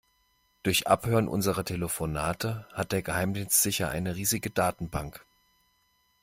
Durch Abhören unserer Telefonate hat der Geheimdienst sicher eine riesige Datenbank.